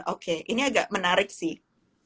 oke ini agak menarik sih